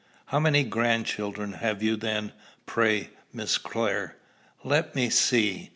"How many grandchildren have you then, pray, Miss Clare?" "Let me see."